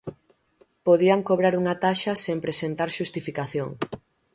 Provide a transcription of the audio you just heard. Podían cobrar unha taxa sen presentar xustificación.